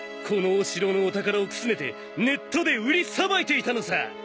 このお城のお宝をくすねてネットで売りさばいていたのさ！